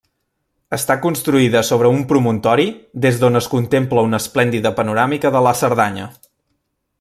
Està construïda sobre un promontori des d'on es contempla una esplèndida panoràmica de la Cerdanya.